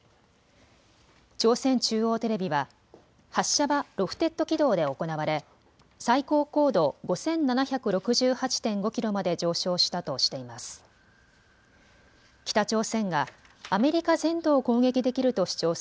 朝鮮中央テレビは発射はロフテッド軌道で行われ最高高度５７６８．５キロまで上昇したとしています。